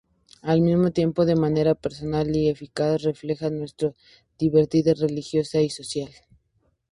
Al mismo tiempo, de manera personal y eficaz, refleja nuestra diversidad religiosa y social.